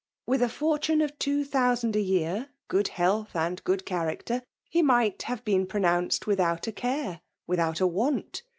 With a forione of two thousand a yean gdod health/ and good character, he might have been pronounced without a care, without a want.